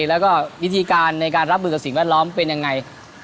แล้วก็วิธีการในการรับมือกับสิ่งแวดล้อมเป็นยังไง